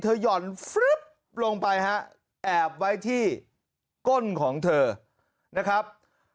หย่อนฟึ๊บลงไปฮะแอบไว้ที่ก้นของเธอนะครับ